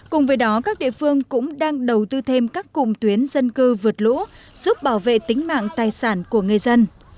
cùng với đó các địa phương cũng đang đầu tư thêm các cụm tuyến dân cư vượt lũ giúp bảo vệ tính mạng tài sản của người dân